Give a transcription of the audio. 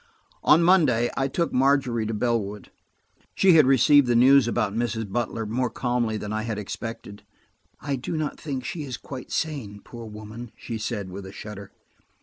On Monday I took Margery to Bellwood. She had received the news about Mrs. Butler more calmly than I had expected. "I do not think she was quite sane, poor woman," she said with a shudder.